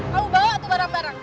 kamu bawa itu barang barang